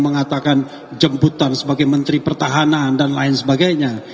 mengatakan jemputan sebagai menteri pertahanan dan lain sebagainya